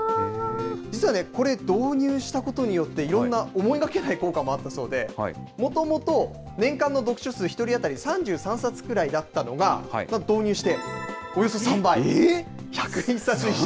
実はこれ、導入したことによって、いろんな思いがけない効果もあったそうで、もともと年間の読書数、１人当たり３３冊ぐらいだったのが、導入しておよそ３倍、１０１冊以上。